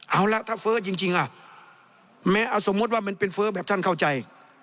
เอาละถ้าเฟ้อจริงแม้สมมุติว่ามันเป็นเฟ้อแบบท่านเข้าใจ